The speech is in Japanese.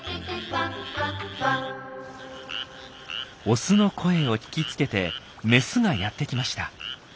オスの声を聞きつけてメスがやってきました。